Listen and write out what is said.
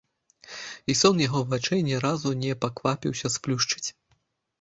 І сон яго вачэй ні разу не паквапіўся сплюшчыць.